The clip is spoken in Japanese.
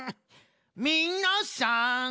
みなさん